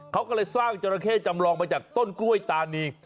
เขาก็เลยสร้างจราเข้จำลองมาจากต้นกล้วยตานี